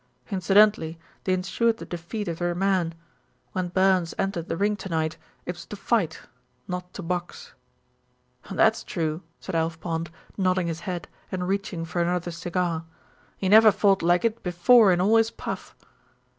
Incidentally they ensured the defeat of their man. When Burns entered the ring tonight, it was to fight, not to box." "That's true," said Alf Pond, nodding his head and reaching for another cigar. "He never fought like it before in all his puff."